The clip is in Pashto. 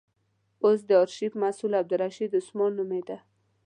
اوس د آرشیف مسئول عبدالرشید عثمان نومېد.